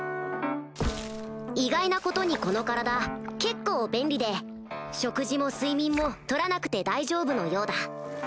意外なことにこの体結構便利で食事も睡眠もとらなくて大丈夫のようだ。